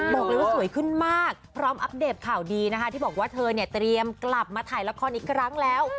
บอกเลยว่าสวยขึ้นมากพร้อมอัปเดตข่าวดีนะคะที่บอกว่าเธอเนี่ยเตรียมกลับมาถ่ายละครอีกครั้งแล้ว